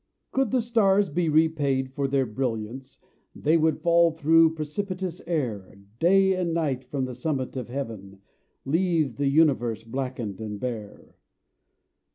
Could the stars be repaid for their brilliance, They would fall through precipitous air Day and night from the summit of heaven, Leave the universe blackened and bare.